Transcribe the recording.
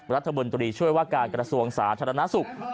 รัฐมนตรีช่วยว่าการกระทรวงสาธารณสุข